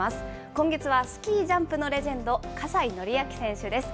今月はスキージャンプのレジェンド、葛西紀明選手です。